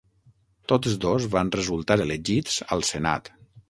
Tots dos van resultar elegits al Senat.